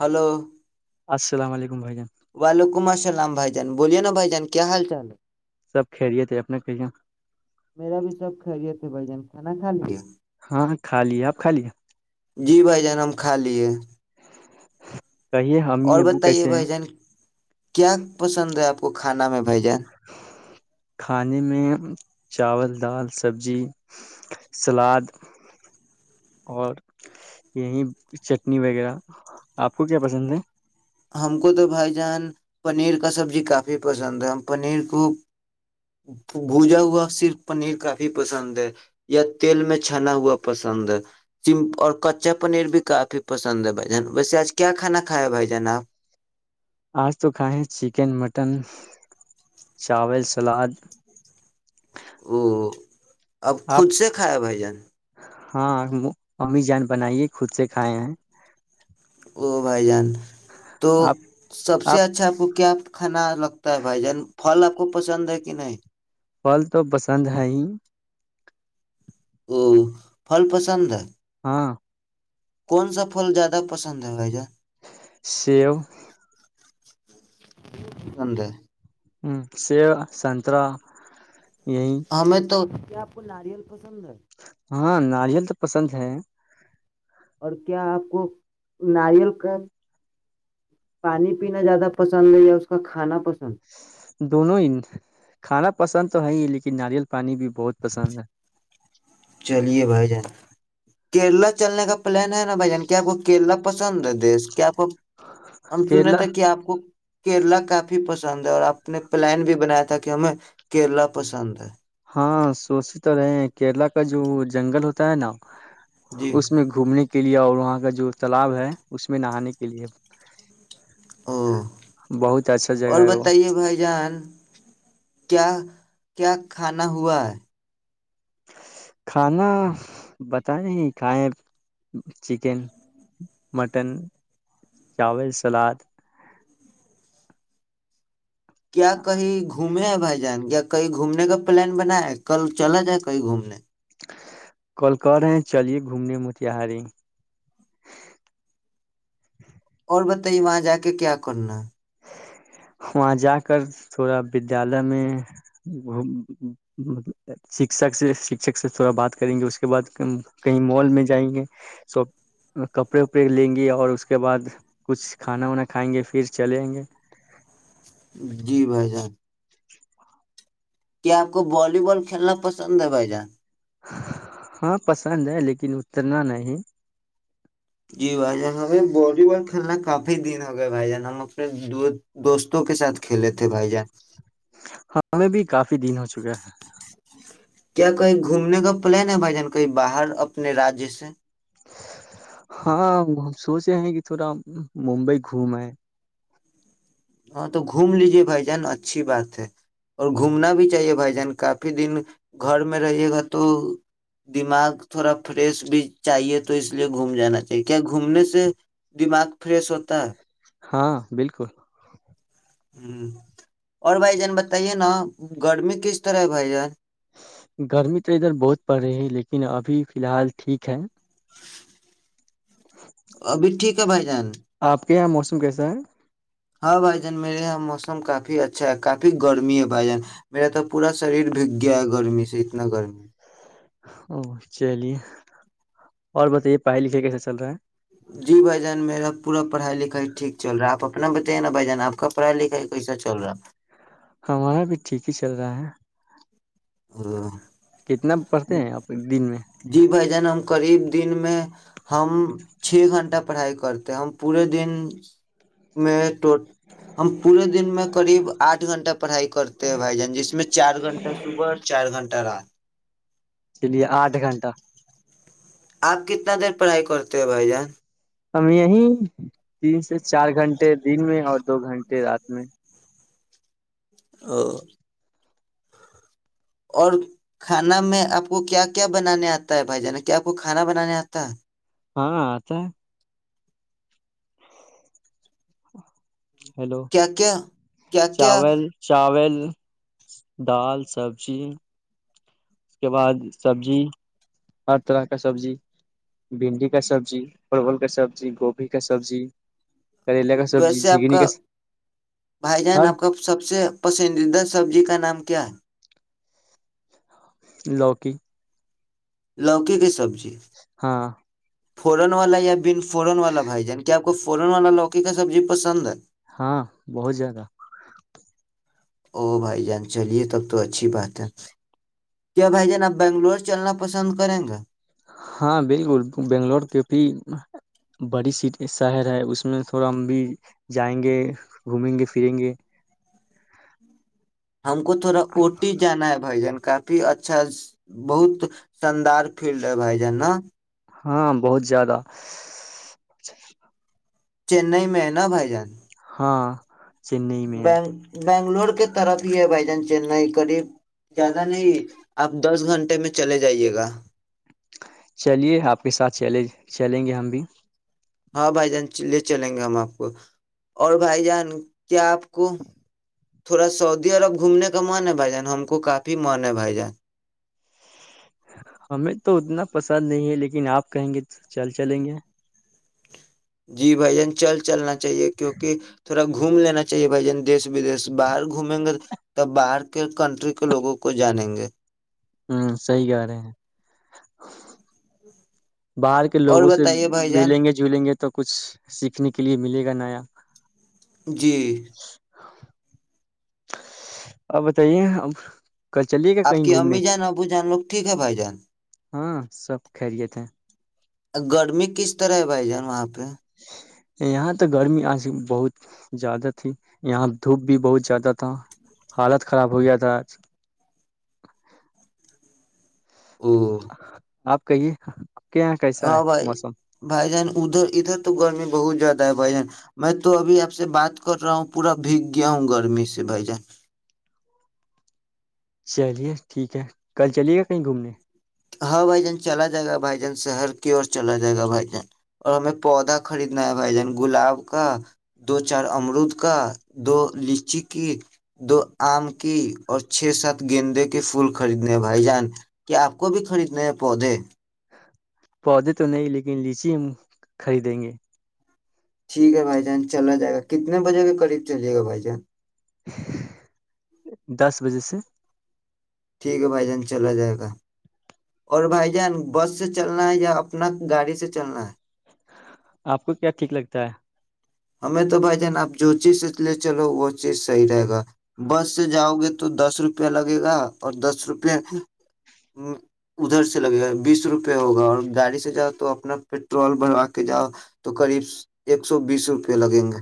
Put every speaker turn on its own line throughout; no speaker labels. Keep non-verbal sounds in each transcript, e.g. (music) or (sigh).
hello (unintelligible)
السلام علیکم بھائی جان (unintelligible)
وعلیکم السلام بھائی جان بوولے نا بھائی جان کیا حال چال ہے (unintelligible)
سب کھیریے تھے اپنے کےاں (unintelligible)
میرا بھی سب خیریت ہے بھ جان کانا کھا لیا (unintelligible)
ہاں کا لیی آپ کھا لے (unintelligible)
جی بھائی جان ہم کھا لیے (unintelligible)
کہیے
اور
امی ابو
بتائیے
کیسے ہیں
بھائی جان کیا (unintelligible) پسند ہے آپ کو کھانا میں بھ جان (unintelligible)
کھانے میں چاول دال سبزی سلاد اور یہی چٹنی وغیرہ آپ کو کیا پسند ہے (unintelligible)
ہم کو تو بھائی جان پنیر کا سبزی کافی پسند ہے ہم پنیر کو بھجا ہوا صرف پنیر کافی پسند ہے یا تیل میں چھنا ہوا پسند ہے س اور کچا پنیر بھی کافی پسند ہے بھائی جان ویسے آج کیا کھانا کھیا ہے بھائی جان آپ (unintelligible) (inaudible) (unintelligible)
آج تو کھائےیں چکن مٹن (unintelligible) چاول سلاد (unintelligible)
وہ اب
آپ
خود سے کھایا بھائی جان (unintelligible)
ہاں امی جان بنائیے خود سے کھائے ہیں
او بھائی جان (unintelligible) تو
آپ
سب سے
آپ
اچھا آ پکو کیا (unintelligible) کھانا لگتا ہے بھائی جان پھل آپ کو پسند ہے (unintelligible) کہ نہیں (unintelligible)
پھل تو پسند ہے ہی (unintelligible)
او فل پسند ہے (unintelligible)
ہاں (unintelligible)
کون سا پھل زیادہ پسند ہے بھائی جان (unintelligible)
سیب (inaudible)
انند (inaudible)
ہوں شی سترا (unintelligible)
ہمیں تو کیا (unintelligible) ناریل کو (inaudible) پسند (inaudible)
ہاں ناریل تو پسند ہے (unintelligible)
اور کیا آپ کو ناریل کا پانی پینا زیادہ پسند ہے یا اس کا کھانا پسند (unintelligible) سن (inaudible)
دونوں ہی کھانا پسند تو ہے ہی لیکن ناریل پانی بھی بہت پسند ہے
چلیے بھائی کیرلا چلنے کا پلان ہے نا بھ جان کیا آپ کو کیرلا پسند ہے دیش کیا آپ کو ہم سنے
کیرلا
تھے کہ آپ کو کیرلا کافی پسند پند ہے اور آپ نے پلان بھی بنایا تھا کہ ہمیں کیرلا پسند ہے
شوش رہے ہیں کیرلا کا جو جو جنگل ہوتا ہے نا
جی
اس میں گھومنے کی کے لیے اور وہاں کا جو تالاب ہے اس میں نہانے کے لیے
او
بہت اچھا
اور
جگہ ہے وہ
بتائیے بھائی جان کیا کیا کھانا ہوا ہے
کھانا بتائیں کھائیں چکن مٹن چاول سلاد
کیا کہیں گھوم گ ہے بھائی جان کیا کہیں گھومنے کا پلان بنا ہے کل چلا جائے کہیں گھومنے
کال کر رہے چلیے گھومنے متہاری
بتائی وہاں جا کے کیا کرنا
وہاں جا کر تھوڑا ودیالیہ میں شکک سے شکشک سے تھوڑا بات کریں گے اس کے بعد کہیں مال میں جائیں گے س کپڑے وپڑے لیں گے اور اس کے بعد کچھ کھانا وانا کھائیں گے پھر چل آیں گے
جی بھائی جان کیا آپ کو والی بال کھیلنا پسند ہے بھائی جان
ہاں پسند ہے لیکن اترنا نہیں
جی بھائی جان ہمیں بی وال لہ کافی دن ہو گئے بھائی جان ہم اپنے دو دوست
ہمیں بھی کافی دن ہو چکا ہے
کیا کہیں گھومنے کا پلان ہے بھائی جان کہیں باہر اپنے رجیہ سے
ہاں سوچے ہیں کہ تھوڑا ممبئی گھوم ہے
ہاں تو گھوم لیجے بھائی جان اچھی بات ہے اور گھومنا بھی چاہیے بھائی جان کافی دن گھر میں رہیے گا تو دماغ تھوڑا فریش بھی چاہیے تو اس لیے گھوم جانا چاہیے کیا گھومنے سے دماغ فریش ہوتا ہے
ہاں بالکل
ہ اور بھائی جان بتائیے نا گرمی کس طرح ہے بھائی جان
گرمی تو ادھر بہت پڑ رہی ہے لیکن ابھی فی الحال ٹھیک ہے
ابھی ٹھیک بھائی (inaudible) جن (inaudible)
کیااں موسم کیسا ہے
ہاں بھائی جان میرے یہاں موسم کافی اچھا ہے کافی گرمی ہے بھائی جان میرا تو پورا شریر بھیگ گیا ہے گرمی سے اتنا گرمی
او چلیے اور بتائیے پڑھائی لکھائی کیسا چل رہا ہے
جی بھ جان میرا پورا پڑھائی لکھائی ٹھیک چل رہا ہے آپ اپنا بتائیے نا بھائی جان آپ کا پڑھائی لکھائی کیسا چل رہا
ہمارا بھی ٹھیک ہی چل رہا ہے
اور (inaudible)
کتنا پڑھتے ہیں آپ دن میں
جی بھائی جان ہم قریب دن میں ہم چھ گھنٹہ پڑھائی کر کرتے ہیں ہم پورے دن میں ہم پورے دن میں کرریب آٹھ گھنٹہ پڑھائی کرتے ہیں بھائی جان جس میں چار گھنٹہ صبح اور چار گھنٹہ رات
چلیے آٹھ گھنٹہ
آپ کتنا دیر پڑھائی کرتے ہو بھائی جان
ہم یہیں تین سے چار گھنٹے دن میں اور دو گھنٹے رات میں
او (inaudible) اور کھانا میں آپ کو کیا کیا بنانے آتا ہے بھائی جانا کیا آپ کو کھانا بنانے آتا ہے
ہاں آتا ہے (inaudible) ہاں (inaudible) ہیلو
کیا کیا کیا کیا
چاول چاول دال سبزی (inaudible) اس کے بعد سبزی ہر طرح کا سبزی بھنڈی کا سبزی پرول کا سبزی گوبھی کا سبزی کریلا کا سبزی
ویسے آپ
جھگنی
کا بھائی جان
ہر
آپ کا سب سے پسندیدہ سبزی کا نام س کیا (inaudible)
لوکی
لوکی کی سبزی
ہاں (inaudible)
فورن والا یا بینس فورن والا بھائی جان کیا کو فوران والا لوکی کا سبزی پسند ہے
ہاں بہت جیادہ
او بھائی جان چلیے تب تو اچھی بات ہے کیا بھائی جان آپ بنگلور چلنا پسند کریں گے
ہاں بالکل بنگلور کے بڑی س شہر ہے اس میں تھوڑا ہم بھی جائیں گے گھومیں گے پھریں گے
ہم کو تھوڑا اوٹی جانا ہے بھائی جان کافی اچھا بہت شاندار فیلڈ ہے بھائی جان نا
ہاں بہت زیادہ
چنئی میں ہے نا بھائی جان
ہاں چنئی میں ہے
فلور کے طرف ہی ہے بھائی جان چنئی قریب زیادہ نہیں آپ دس گھنٹے میں چلے جائیے گا
چلیے آپ کے ساتھ چلے چلیں گے ہم بھی
ہاں بھائی جان لے چلیں گے ہم آپ کو اور بھائی جان کیا آپ کو تھوڑا سعودی عرب گھومنے کا من ہے بھائی جان ہم کو کافی من ہے بھائی جان
ہمیں تو اتنا پسند نہیں ہے لیکن آپ کہیں گے تو چل چلیں گے
جی بھائی جان چل چلنا چاہیے کیونکہ تھوڑا گھوم لینا چاہیے بھائی جان دیش ودیش باہر گھومیں گے ت باہر کے کنٹری کے لوگوں کو جانیں گے
ہوں صی گا رہے ہیں باہر کے
اور
لوگوں سے
بتائیے بھائی جان
ملیں گے جلیں گے تو کچھ سیکھنے کے لیے ملے گا نیا ج (inaudible)
جی
آپ بتائیے اب ک چلیے گا
آپ
کہیں
کی
گھومنے
امی جان ابو جان لوگ ٹھیک ہے بھائی جان
ہاں سب خیریت ہے
گرمی کس طرح ہے بھائی جان وہاں پہ تو
یہاں تو گرمی آج بہت زیادہ تھی یہاں دھوپ بھی بہت زیادہ تھا حالت خراب ہو گیا تھا آج
او
ہاں (inaudible) آپ کہیے کے یہاں کیسا
ہاں
ہے
بھائی
موسم
بھائی جان ادھر ادھر تو گرمی بہت زیادہ ہے بھائی جان میں تو ابھی آپ سے بات کر رہا ہوں پورا بھیگ گیا ہوں گرمی سے بھائی جان
چلیے ٹھیک ہے کل چلیے گا کہیں گھومنے
ہاں بھائی جان چلا جائے گا بھائی جان شہر کی اور چلا جائے گا بھائی جان اور ہمیں پودا خریدنا ہے بھائی جان گلاب کا دو چار امرود کا دو لیچی کی دو آم کی اور چھ سات گیندے کے پھول خریدنے ہیں بھائی جان کیا آپ کو بھی خریدنے ہیں پودے
پودے تو نہیں لیکن لیچی ہم خریدیں گے
ٹھیک ہے بھائی جان چلا جائے گا کتنے بجے کے قریب چلیے گا بھائی جان
دس بجے سے
ٹھیک ہے بھائی جان چلا جائے گا اور بھائی جان بس سے چلنا ہے یا اپنا گاڑی سے چلنا ہے
آپ کو کیا ٹھیک لگتا ہے
ہمیں تو بھائی جان آپ جو چیز سے لے چلو وہ چیز صحیح رہے گا بس سے جاؤ گے تو دس روپیہ لگے گا اور دس روپے ادھر سے لگے گا بیس روپے ہوگا اور گاڑی سے جاؤ تو اپنا پیٹرول بھروا کے جاؤ تو قریب ایک سو بیس روپ پے لگیں گے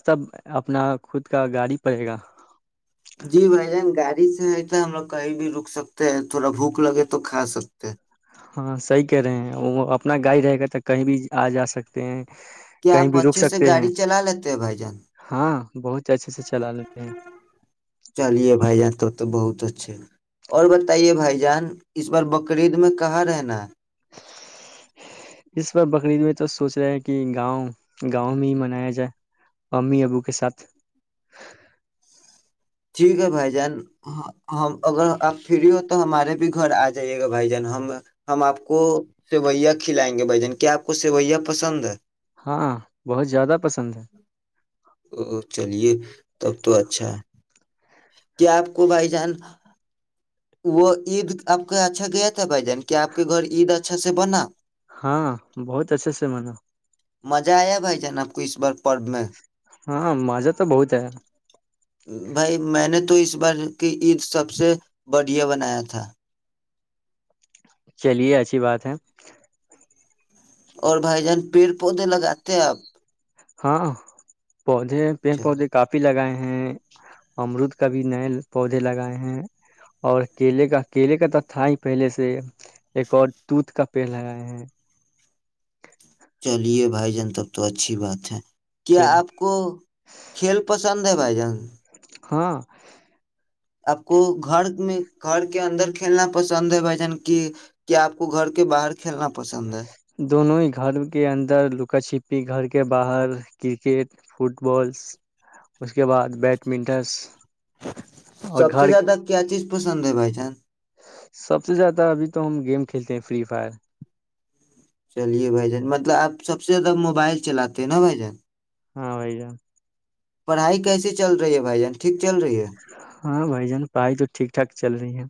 سب اپنا خود کا گاڑی پڑے گا
جی بھائی جان گاڑی سے ہی تو ہم لوگ کہیں بھی رک سکتے ہیں تھوڑا بھوک لگے تو کھا سک
ہاں صحیح کہہ رہے ہیں وہ اپنا گاڑی رہے گا ت کہیں بھی آ جا سکتے ہیں
کیا
کہیں
آپ
بھی رک
اچھے سے
سکتے ہیں
گاڑی چلا لیتے ہیں بھائی جان
ہاں بہت اچھے سے چلا لیتے ہیں
چلیے بھائی جان تو تو بہت تواچھے اور بتائیے بھائی جان اس بار بکری عید میں کہاں رہنا ہے
اس باہر بکری عید میں تو سوچ رہے ہے کہ گاؤں گاؤں میں ہی منایا جائے امی ابو کے ساتھ
ٹھیک ہے بھائی جان ہم اگر آپ فری ہو تو ہمارے بھی گھر آ جائیے گا بھائی جان ہم ہم آپ کو سیویا کھلائیں گے بھ جان کیا آپ کو سیویا پسند ہے
ہاں بہت زیادہ پسند ہے
تو چلیے تب تو اچھا ہے کیا آپ کو بھائی جان وہ عید آپ کا اچھا گیا تھا بھائی جان کیا آپ کے گھر عید اچھا سے بنا
ہاں بہت اچھے سے منا
مزہ آیا بھائی جان آپ کو اس بار پرب میں
ہاں مزہ تو بہت ایا
بھائی میں نے تو اس بار کی عید سب سے بڑھیا بنایا تھا
چلیے اچھی بات ہے
اور بھائی جان پیڑ پودے لگاتے ہیں آپ
ہاں پودے پیڑ پودے کافی لگائے ہیں ہیں امرود کا بھی نئے پودے لگائے ہیں اور کیلے کا کیلے کا تو تھا ہی پہلے سے ایک اور دوتھ کا پیڑ لگائے ہیں
چلیے بھائی جان تب تو اچھی بات ہے کیا
چل
آپ کو کھیل پسند ہے بھائی جان
ہاں
آپ کو گھر میں گھر کے اندر کھیلنا پسند ہے بھائی جان کی کیا آپ کو گھر کے باہر کھیلنا پسند ہے
دونوں ہی گھر کے اندر لکا چھپی گھر کے باہر کرکٹ فٹ بالز اس کے بعد بیٹمنٹس اور
سب
گھر
سے زیادہ کیا چیز پسند ہے بھائی جان
سب سے زیادہ ابھی تو ہم گیم کھیلتے ہیں فری فائر
چلیے بھائی جان مطلب آپ سب سے زیادہ موبائل چلاتے ہیں نا بھائی جان
ہاں بھائی جان
پڑھائی کیسے چل رہی ہے بھائی جان ٹھیک چل رہی ہے
ہاں بھائی جان پڑھائی تو ٹھیک ٹھاک چل رہی ہے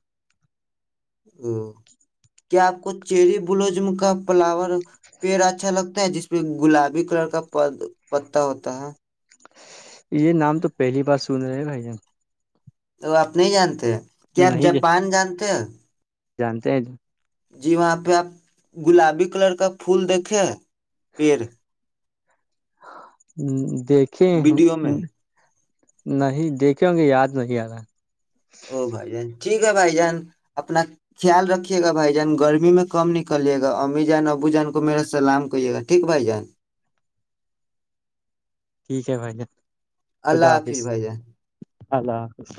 (inaudible) کیا آپ کو چیری بلوزم کا فلاور پیڑ اچھا لگتا ہے جس میں گلابی کلر کا پتا ہوتا ہے
یہ نام تو پہلی بار سن رہے ہیں بھائی جان
تو آپ نہیں جانتے کیا آپ
نہیں
جاپان جانتے ہو
جانتے ہیں تو
جی وہاں پہ آپ گلابی کلر کا پھول دیکھے پھر
(inaudible) دیکھے
ویڈیو میں
نہیں دیکھے ہوں گے یاد نہیں آ رہا
او بھائی جان ٹھیک ہے بھائی جان اپنا خیال رکھیے گا بھائی جان گرمی میں کم نکلیے گا امی جان ابو جان کو میرا سلام کرے گا ٹھیک بھائی جان
ٹھیک ہے بھائی ج
اللہ حافظ بھائی جان
اللہ حافظ